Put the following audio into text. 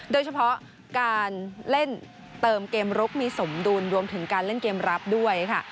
โดยเฉพาะการเล่นเติมเกมลุกมีสมดุลรวมถึงการเล่นเกมรับด้วยค่ะ